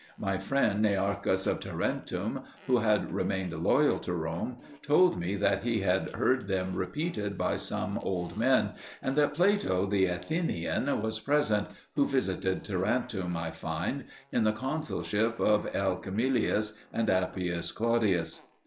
My friend Nearchus of Tarentum, who had remained loyal to Rome, told me that he had heard them repeated by some old men; and that Plato the Athenian was present, who visited Tarentum, I find, in the consulship of L. Camillus and Appius Claudius.